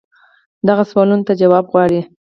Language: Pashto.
دغو سوالونو ته جواب غواړي.